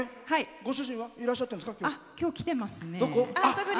ご主人はいらっしゃってるんですか？